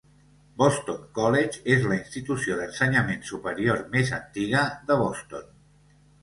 Boston College és la institució d'ensenyament superior més antiga de Boston.